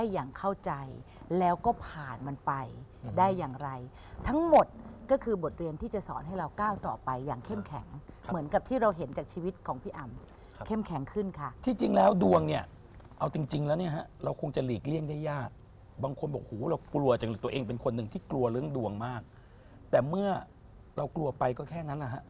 อย่างเข้าใจแล้วก็ผ่านมันไปได้อย่างไรทั้งหมดก็คือบทเรียนที่จะสอนให้เราก้าวต่อไปอย่างเข้มแข็งเหมือนกับที่เราเห็นจากชีวิตของพี่อำเข้มแข็งขึ้นค่ะที่จริงแล้วดวงเนี่ยเอาจริงจริงแล้วเนี่ยฮะเราคงจะหลีกเลี่ยงได้ยากบางคนบอกหูเรากลัวจังเลยตัวเองเป็นคนหนึ่งที่กลัวเรื่องดวงมากแต่เมื่อเรากลัวไปก็แค่นั้นนะฮะ